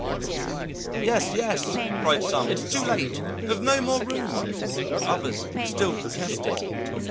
"Yes, yes," cried some. "It's too late! there's no more room!" But others still protested.